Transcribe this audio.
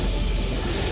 jangan lupa chakra diri